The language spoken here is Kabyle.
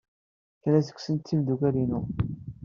Kra seg-sent d timidiwin-inu.